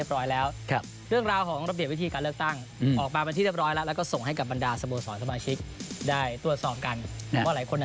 เอาละครับเกิดกลับมาช่วงนี้ทั้งจำครั้งทานอยู่กับเราเรียบร้อยกว่า